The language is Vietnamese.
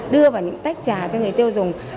đưa vào những tách chà cho người dân